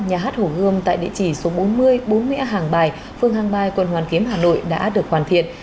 nhà hát hồ gươm tại địa chỉ số bốn mươi bốn nghĩa hàng bài phương hàng bài quận hoàn kiếm hà nội đã được hoàn thiện